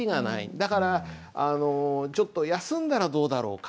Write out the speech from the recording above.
だからあのちょっと休んだらどうだろうか？